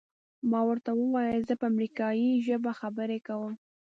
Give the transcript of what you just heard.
ما ورته وویل زه په امریکایي ژبه خبرې کوم.